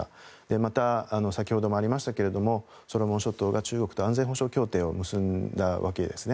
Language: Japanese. また、先ほどもありましたがソロモン諸島が中国と安全保障協定を結んだわけですね。